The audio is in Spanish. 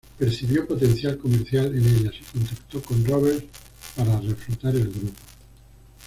Percibió potencial comercial en ellas y contactó con Roberts para reflotar el grupo.